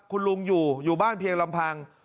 คุณลุงอยู่อยู่บ้านเพียงลำพัง